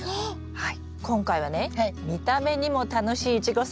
はい。